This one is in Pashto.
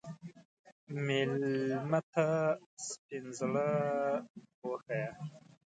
مېلمه ته سپین زړه وښیه.